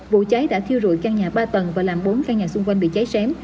vụ cháy đã thiêu rụi căn nhà ba tầng và làm bốn căn nhà xung quanh bị cháy xém